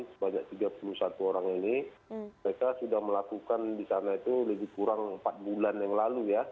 sebanyak tiga puluh satu orang ini mereka sudah melakukan di sana itu lebih kurang empat bulan yang lalu ya